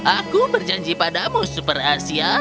aku berjanji padamu super asia